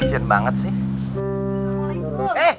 kasian banget sih